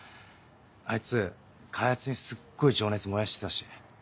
あいつ開発にすっごい情熱燃やしてたし。